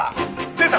出た！？